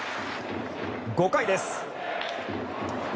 ５回です。